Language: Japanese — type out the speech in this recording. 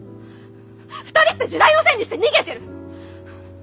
２人して時代のせいにして逃げてる！